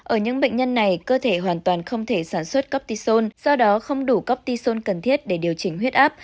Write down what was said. ở những bệnh nhân này cơ thể hoàn toàn không thể sản xuất coptisone do đó không đủ coptisone cần thiết để điều trình huyết áp